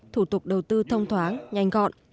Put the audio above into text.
thủ tục đầu tư thông thoáng nhanh gọn